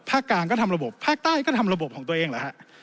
กลางก็ทำระบบภาคใต้ก็ทำระบบของตัวเองเหรอฮะ